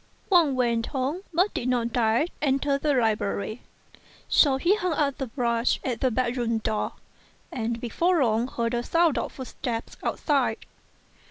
Wang went home, but did not dare enter the library; so he hung up the brush at the bedroom door, and before long heard a sound of footsteps outside.